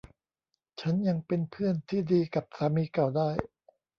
ฉันยังเป็นเพื่อนที่ดีกับสามีเก่าได้